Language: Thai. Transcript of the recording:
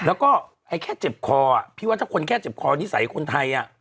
แล้วก็ไอ้แค่เจ็บคอพี่ว่าถ้าคนแค่เจ็บคอนิสัยคนไทย